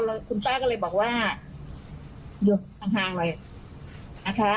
แล้วคุณป้าก็เลยบอกว่าหยุดห่างหน่อยนะคะ